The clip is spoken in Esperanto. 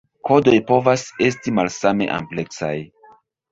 Kodoj povas esti malsame ampleksaj.